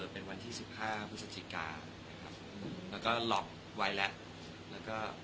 เป็นวัน๒๕ภาษะศิกาแล้วก็ลอกไว้แล้ว